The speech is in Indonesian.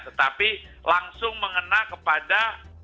tetapi langsung mengena kepada